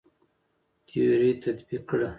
تيوري تطبيق کړه.